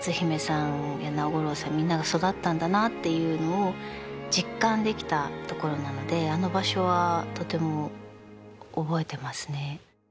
みんなが育ったんだなっていうのを実感できたところなのであの場所はとても覚えてますね。